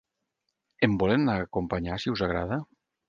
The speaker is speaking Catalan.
Em volen acompanyar, si us agrada?